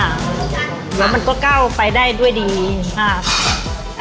เดี๋ยวมันก็ก้าวไปได้ด้วยดีอ่า